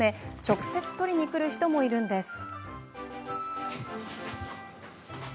直接取りに来る人もいるんです。